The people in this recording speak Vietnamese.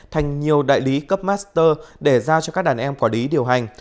thành nhiều đại lý cấp master để giao cho các đàn em quả đí điều hành